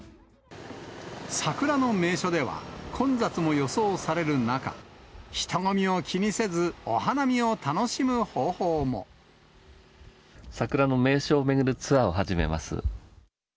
桜の名所では混雑も予想される中、人混みを気にせず、お花見を楽し桜の名所を巡るツアーを始めます。